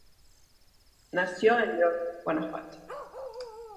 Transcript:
Nació en León, Guanajuato.